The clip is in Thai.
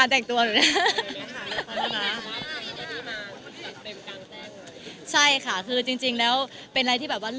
อาจจะไม่ได้ร้อนเพราะอากาศนะ